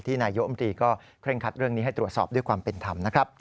นายโยมตรีก็เคร่งคัดเรื่องนี้ให้ตรวจสอบด้วยความเป็นธรรมนะครับ